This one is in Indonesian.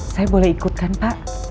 saya boleh ikutkan pak